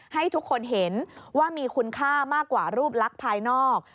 ให้ทุกคนเห็นว่ามีคุณค่ามากกว่ารูปลักษณ์ภายนอก